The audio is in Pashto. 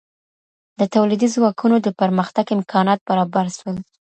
د تولیدي ځواکونو د پرمختګ امکانات برابر سول.